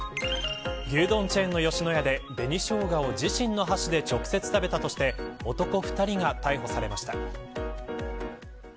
牛丼チェーンの吉野家で紅ショウガを自身の箸で直接、食べたとして男２人が逮捕されました。